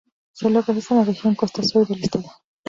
Se localiza en la Región Costa Sur del estado.